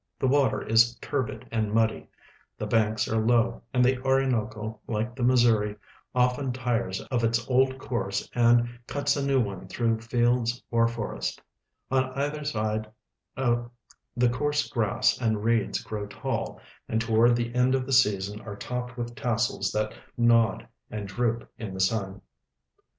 The water is turbid and muddy; the banks are low, and the Orinoco, like the Missouri, often tires of its old course and cuts a new one through fields or forest; on either side the coarse grass and reeds grow tall, and toward the end of the season are topped with tassels that nod and droop in the sun.